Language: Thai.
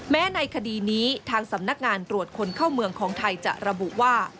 ในคดีนี้ทางสำนักงานตรวจคนเข้าเมืองของไทยจะระบุว่า